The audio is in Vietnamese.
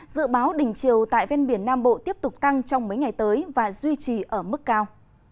dự báo đỉnh chiều tại ven biển nam bộ tiếp tục tăng trong mấy ngày tới và duy trì ở mức cao